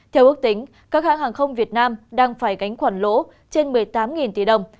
theo ước tính các hãng hàng không việt nam đang phải gánh khoản lỗ trên một mươi tám tỷ đồng